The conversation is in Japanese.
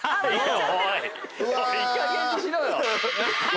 おいいいかげんにしろよ！